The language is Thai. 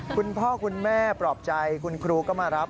คุณพ่อคุณแม่ปลอบใจคุณครูก็มารับ